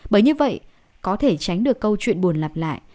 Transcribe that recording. bởi như vậy có thể tránh được câu chuyện buồn lặp lại